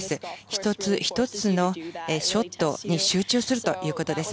１つ１つのショットに集中するということです。